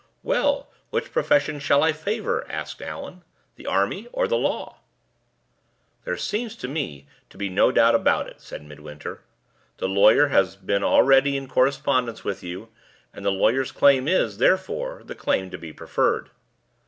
"Well, which profession shall I favor?" asked Allan. "The army or the law?" "There seems to me to be no doubt about it," said Midwinter. "The lawyer has been already in correspondence with you; and the lawyer's claim is, therefore, the claim to be preferred."